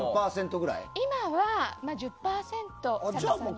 今は１０％。